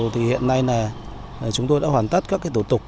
thì hiện nay là chúng tôi đã hoàn tất các tổ tục